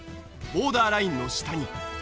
ボーダーラインの下に。